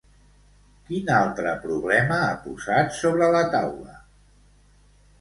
Quin altre problema ha posat sobre la taula?